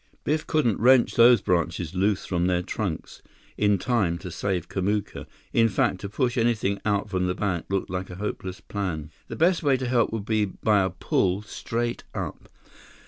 Biff couldn't wrench those branches loose from their trunks in time to save Kamuka. In fact, to push anything out from the bank looked like a hopeless plan. The best way to help would be by a pull straight up.